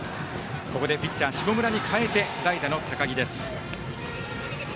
ここでピッチャーの下村に代えて代打の高木です。